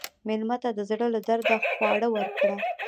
مېلمه ته د زړه له درده خواړه ورکړه.